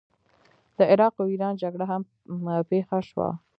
د عراق او ایران جګړه هم پیښه شوه.